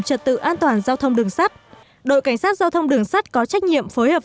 trật tự an toàn giao thông đường sắt đội cảnh sát giao thông đường sắt có trách nhiệm phối hợp